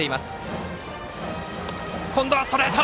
今度はストレート！